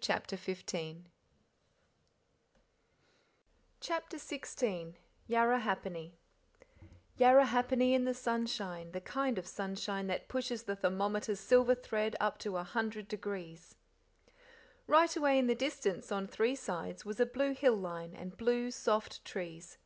CHAPTER XVI Yarrahappini Yarrahappini in the sunshine, the kind of sunshine that pushes the thermometer's silver thread up to 100 deg.! Right away in the distance on three sides was a blue hill line and blue soft trees.